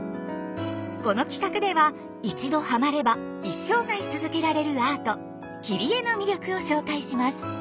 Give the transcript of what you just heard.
この企画では一度ハマれば一生涯続けられるアート「切り絵」の魅力を紹介します。